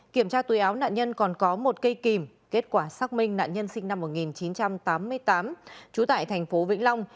kiểm tra tùy áo nạn nhân còn có một cây kìm kết quả xác minh nạn nhân sinh năm một nghìn chín trăm tám mươi tám trú tại thành phố vĩnh long